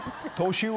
年上⁉